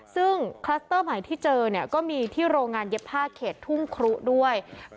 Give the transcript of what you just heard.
ซึ่งคลัสเตอร์ใหม่ที่เจอเนี่ยก็มีที่โรงงานเย็บผ้าเขตทุ่งครุด้วย